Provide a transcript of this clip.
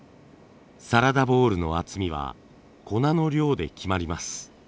サラダボウルの厚みは粉の量で決まります。